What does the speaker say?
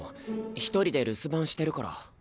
１人で留守番してるから。